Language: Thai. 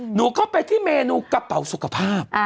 หนูก็ไปที่เมนูกระเป๋าสุขภาพ